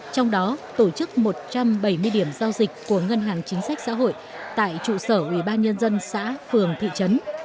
trong đó tổ chức một trăm bảy mươi điểm giao dịch của ngân hàng chính sách xã hội tại trụ sở ủy ban nhân dân xã phường thị trấn